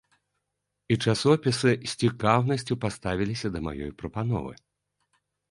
І часопісы з цікаўнасцю паставіліся да маёй прапановы.